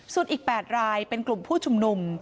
ส่วนอีก๘รายเป็นกลุ่มผู้ชุมนุม